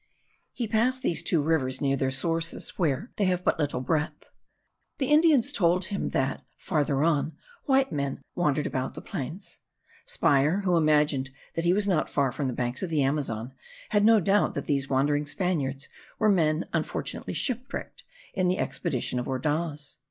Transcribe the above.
He passed these two rivers near their sources, where they have but little breadth. The Indians told him that, farther on, white men wandered about the plains. Speier, who imagined that he was not far from the banks of the Amazon, had no doubt that these wandering Spaniards were men unfortunately shipwrecked in the expedition of Ordaz.